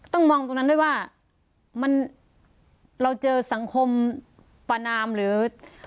ต้องมองตรงนั้นด้วยว่ามันเราเจอสังคมประนามหรือ